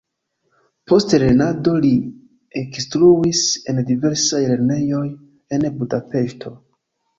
Post lernado li ekinstruis en diversaj lernejoj en Budapeŝto.